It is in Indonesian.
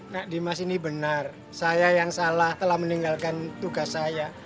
kak dimas ini benar saya yang salah telah meninggalkan tugas saya